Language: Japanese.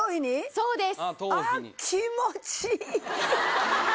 そうです。